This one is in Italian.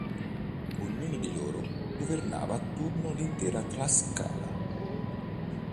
Ognuno di loro governava a turno l'intera Tlaxcala.